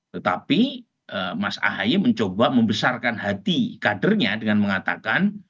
tetapi mas ahaye mencoba membesarkan hati kadernya dengan mengatakan